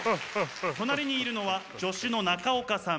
隣にいるのは助手の中岡さん。